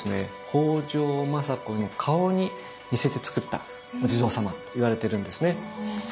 北条政子の顔に似せてつくったお地蔵様といわれてるんですね。